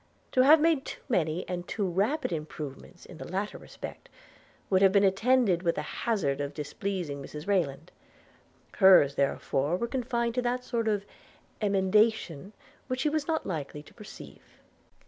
To have made too many and too rapid improvements in the latter respect, would have been attended with the hazard of displeasing Mrs Rayland; hers therefore were confined to that sort of emendations which she was not likely to perceive.